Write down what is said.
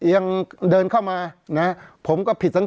เพราะฉะนั้นประชาธิปไตยเนี่ยคือการยอมรับความเห็นที่แตกต่าง